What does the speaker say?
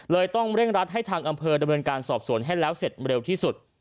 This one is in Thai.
ต้องเร่งรัดให้ทางอำเภอดำเนินการสอบสวนให้แล้วเสร็จเร็วที่สุด